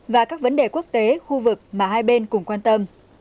và các vấn đề quốc tế khu vực mà hai bên cùng quan tâm